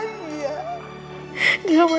di rumah sakit medika setia tante